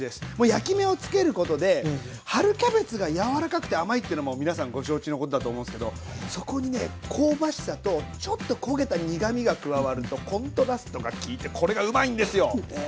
焼き目をつけることで春キャベツが柔らかくて甘いってのもう皆さんご承知のことだと思うんですけどそこにね香ばしさとちょっと焦げた苦みが加わるとコントラストがきいてこれがうまいんですよ！ね